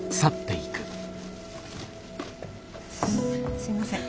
すいません。